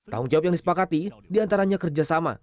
tanggung jawab yang disepakati diantaranya kerjasama